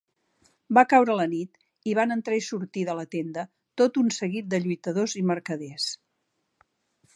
Va caure la nit i van entrar i sortir de la tenda tot un seguit de lluitadors i mercaders.